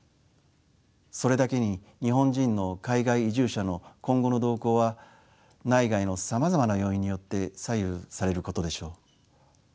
それだけに日本人の海外移住者の今後の動向は内外のさまざまな要因によって左右されることでしょう。